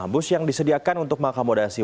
bus yang disediakan untuk mengakomodasi